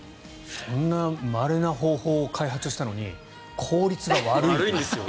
そんなまれな方法を開発したのに効率が悪いという。